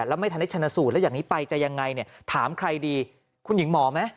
แล้วไม่ทันได้ชนะสูตรแล้วอย่างนี้ไปจะยังไงเนี่ยถามใครดีคุณหญิงหมอไหม